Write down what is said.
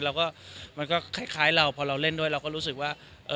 แล้วก็มันก็คล้ายเราพอเราเล่นด้วยเราก็รู้สึกว่า